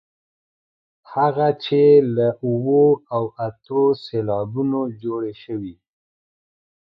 هغه چې له اوو او اتو سېلابونو جوړې شوې.